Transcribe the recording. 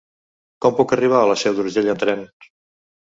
Com puc arribar a la Seu d'Urgell amb tren?